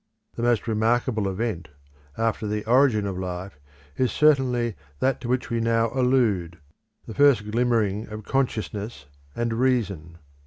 The most remarkable event, after the origin of life, is certainly that to which we now allude; the first glimmering of consciousness and reason.